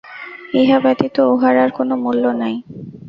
ইহা ব্যতীত উহার আর কোন মূল্য নাই।